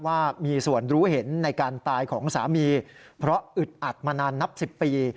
ว่ามีส่วนรู้เห็นในการตายของสามีเพราะอึดอัดมานานนับ๑๐ปี